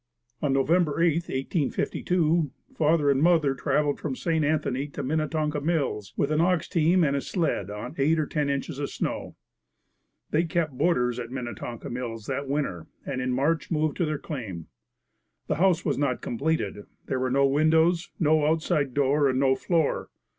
On November 8, 1852, father and mother traveled from St. Anthony to Minnetonka Mills with an ox team and sled on eight or ten inches of snow. They kept boarders at Minnetonka Mills that winter and in March moved to their claim. The house was not completed. There were no windows, no outside door and no floor.